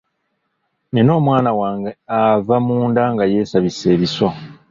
Nina omwana wange ava munda nga yeesabise ebiso.